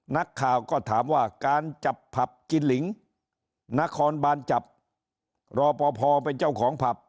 นักข่าวก็ถามว่าการจับผับกินหลิงนครบานจับรอปภเป็นเจ้าของผับ